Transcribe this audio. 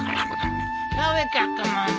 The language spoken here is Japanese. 食べちゃったもんねえ。